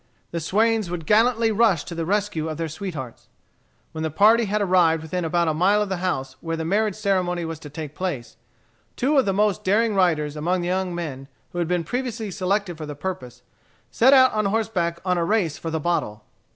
The swains would gallantly rush to the rescue of their sweethearts. When the party had arrived within about a mile of the house where the marriage ceremony was to take place, two of the most daring riders among the young men who had been previously selected for the purpose, set out on horseback on a race for "the bottle."